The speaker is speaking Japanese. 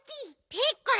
ピッコラ